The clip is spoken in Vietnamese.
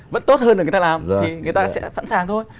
vẫn tốt hơn là người ta làm thì người ta sẽ sẵn sàng thôi